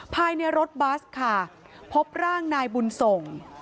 ภายในรถบัสค่ะพบร่างนายบุญส่ง